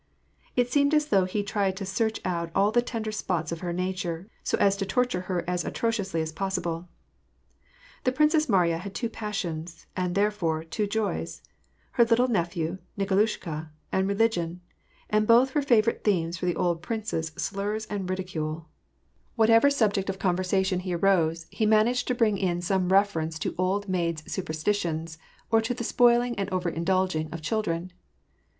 It seemed as though he tried to search out all the tender spots of her nature, so as to torture her as atrociously as possible. The Princess Mariya had two passions, and, therefore, two joys : her little nephew, Nikolushka, and religion ; and both were favorite themes for the old prince's slurs and ridicule. WAR AND PEACE. 237 Whatever subject of conversation arose, he managed to bring in some reference to old maids' superstitions, or to the spoil ing and over indulging of children.